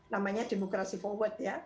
namanya demokrasi forward